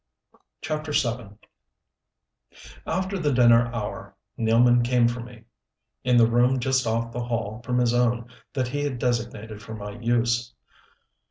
CHAPTER VII After the dinner hour Nealman came for me, in the room just off the hall from his own that he had designated for my use.